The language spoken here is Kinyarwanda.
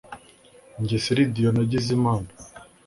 njye siridiyo nagize imana